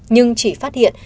nhưng chỉ phát hiện